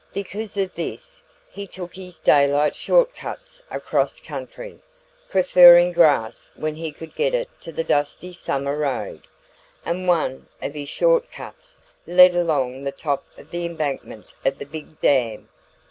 Because of this, he took his daylight short cuts across country, preferring grass when he could get it to the dusty summer road. And one of his short cuts led along the top of the embankment of the big dam.